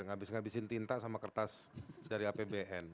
nggak habisin habisin tinta sama kertas dari apbn